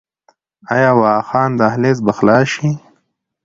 آیا واخان دهلیز به خلاص شي؟